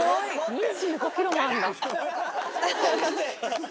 ２５ｋｇもあるんだ。